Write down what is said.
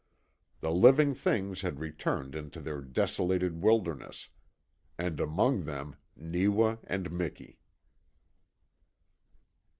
The living things had returned into their desolated wilderness and among them Neewa and Miki.